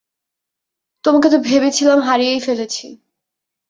তোমাকে তো ভেবেছিলাম হারিয়েই ফেলেছি!